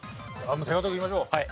手堅くいきましょう。